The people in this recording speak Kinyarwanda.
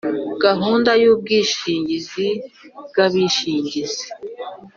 Gahunda y ubwishingizi bw abishingizi